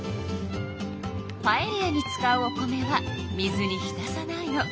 パエリアに使うお米は水に浸さないの。